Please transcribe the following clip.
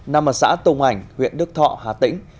năm ở xã tùng hành huyện đức thọ hà tĩnh